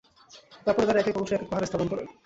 তারপর তাদের এক এক অংশ এক এক পাহাড়ে স্থাপন কর।